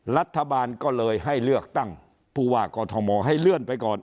รัฐบาลก็เลยให้เลือกตั้งผู้ว่ากอทมให้เลื่อนไปก่อน